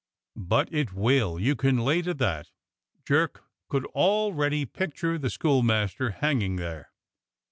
"But it will, you can lay to that." Jerk could al ready picture the schoolmaster hanging there.